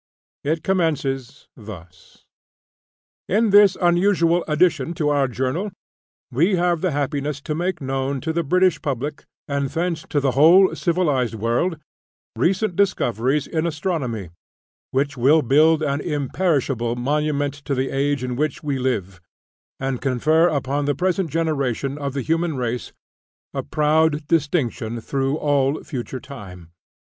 It commences thus: "In this unusual addition to our Journal, we have the happiness to make known to the British public, and thence to the whole civilized world, recent discoveries in Astronomy, which will build an imperishable monument to the age in which we live, and confer upon the present generation of the human race a proud distinction through all future time.